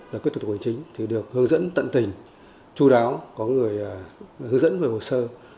giải quyết thủ tục hành chính thì được hướng dẫn tận tình chú đáo có người hướng dẫn về hồ sơ